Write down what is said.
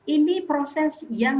ini proses yang